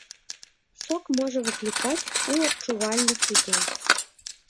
Сок можа выклікаць у адчувальных людзей.